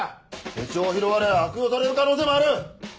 手帳を拾われ悪用される可能性もある！